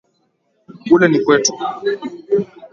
Kule ni kwetu